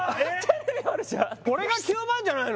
これが９万じゃないの？